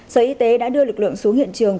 sở y tế đã đưa lực lượng xuống hiện trường